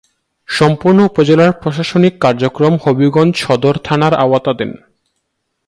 সম্পূর্ণ উপজেলার প্রশাসনিক কার্যক্রম হবিগঞ্জ সদর থানার আওতাধীন।